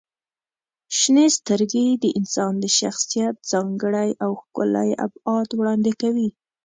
• شنې سترګې د انسان د شخصیت ځانګړی او ښکلی ابعاد وړاندې کوي.